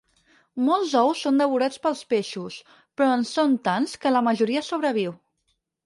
Molts ous són devorats pels peixos, però en són tants que la majoria sobreviu.